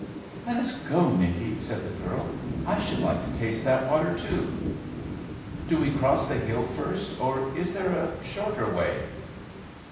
"Let us go, Nicky," said the girl. "I should like to taste that water, too. Do we cross the hill first, or is there a shorter way?"